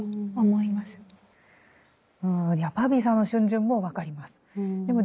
いやバービーさんの逡巡も分かります。